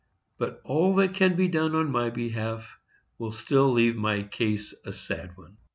But all that can be done in my behalf will still leave my case a sad one.